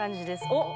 おっ！